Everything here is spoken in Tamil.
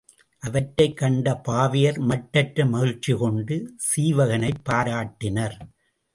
அவற்றைக் கண்ட பாவையர் மட்டற்ற மகிழ்ச்சி கொண்டு சீவகனைப் பாராட்டினர்.